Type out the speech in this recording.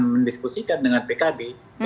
mendiskusikan dengan pkb